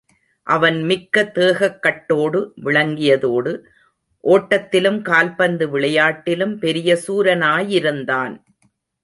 அவன் மிக்க தேகக்கட்டோடு விளங்கியதோடு, ஓட்டத்திலும், கால்பந்து விளையாட்டிலும் பெரிய சூரனாயிருந்தான்.